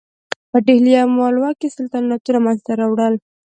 په ډهلي او مالوه کې سلطنتونه منځته راوړل.